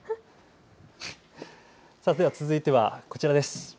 続いてはこちらです。